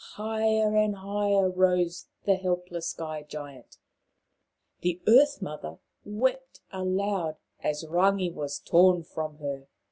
Higher and higher rose the helpless Sky giant. The Earth mother wept aloud as Rangi was torn from her.